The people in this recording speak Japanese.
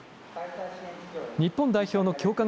日本代表の強化